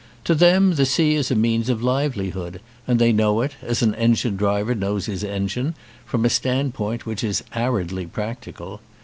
To them the sea is a means of livelihood and they know it, as an engine driver knows his engine, from a standpoint which is aridly practical.